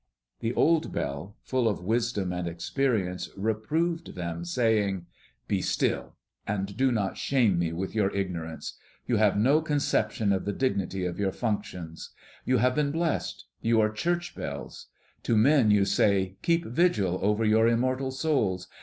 The old bell, full of wisdom and experience, reproved them, saying, "Be still, and do not shame me with your ignorance. You have no conception of the dignity of your functions. You have been blessed; you are church bells. To men you say, 'Keep vigil over your immortal souls!'